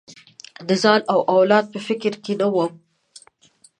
د ځان او اولاد په فکر کې نه وم.